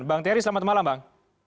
bang terry selamat malam bang